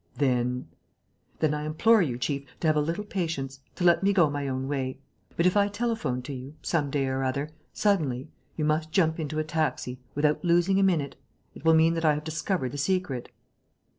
"Then ...?" "Then I implore you, chief, to have a little patience ... to let me go my own way. But if I telephone to you, some day or other, suddenly, you must jump into a taxi, without losing a minute. It will mean that I have discovered the secret."